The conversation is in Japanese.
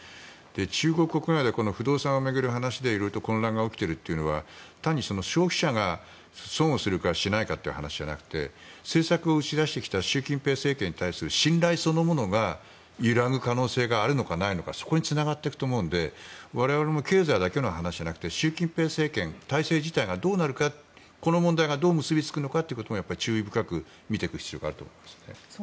中国国内で不動産を巡る話で色々と混乱が起きているというのは単に消費者が損をするかしないかという話ではなく政策を打ち出してきた習近平政権に対する信頼そのものが揺らぐ可能性があるのかないのかそこにつながっていくと思うので我々も経済だけの話じゃなくて習近平政権体制自体がどうなるのかこの問題がどう結びつくのかということを注意深く見ていく必要があると思います。